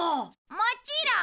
もちろん。